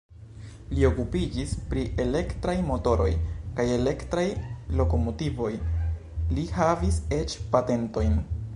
Li okupiĝis pri elektraj motoroj kaj elektraj lokomotivoj, li havis eĉ patentojn.